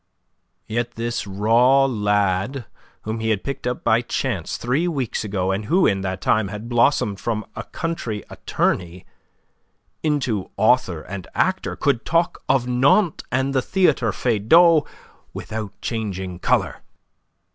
Yet this raw lad whom he had picked up by chance three weeks ago, and who in that time had blossomed from a country attorney into author and actor, could talk of Nantes and the Theatre Feydau without changing colour.